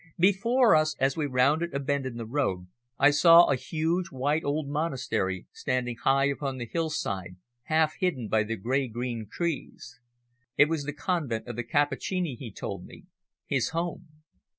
Before us, as we rounded a bend in the road, I saw a huge, white old monastery standing high upon the hillside half hidden by the grey green trees. It was the Convent of the Cappuccini, he told me his home.